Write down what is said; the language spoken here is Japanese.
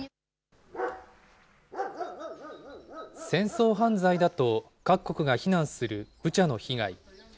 戦争犯罪だと各国が非難するブチャの被害。